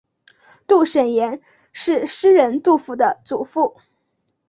杜审言是诗人杜甫的祖父。